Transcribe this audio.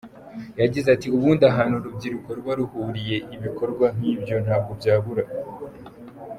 Yagize ati “Ubundi ahantu urubyiruko ruba ruhuriye ibikorwa nk’ibyo ntabwo byabura.